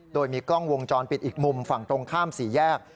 โดยมีกล้องวงจรปิดอีกมุมฝั่งตรงข้ามสี่แยก